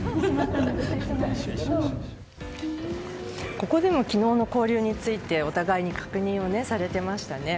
ここでの昨日の交流についてお互いに確認をされていましたね。